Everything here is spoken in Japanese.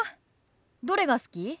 どれが好き？